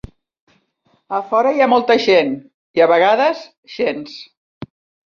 A fora hi ha molta gent, i a vegades, gens.